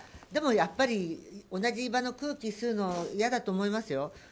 でも、やっぱり同じ場の空気を吸うのは嫌だと思いますよ。